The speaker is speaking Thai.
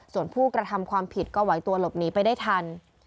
ส่วนผู้กระทำความผิดก็ไหวตัวหลบหนีไปได้ทัน